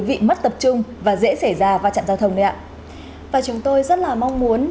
và chúng tôi rất là mong muốn